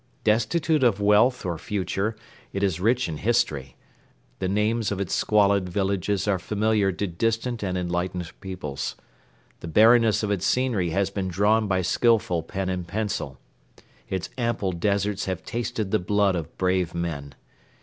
Destitute of wealth or future, it is rich in history. The names of its squalid villages are familiar to distant and enlightened peoples. The barrenness of its scenery has been drawn by skilful pen and pencil. Its ample deserts have tasted the blood of brave men.